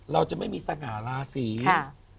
เราจะไม่มีสนาราศีลค่ะ